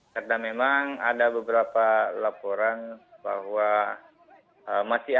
karena memang ada beberapa laporan bahwa masih ada